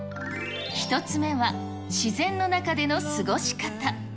１つ目は、自然の中での過ごし方。